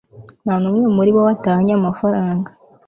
nta n'umwe muri bo batahaye amafaranga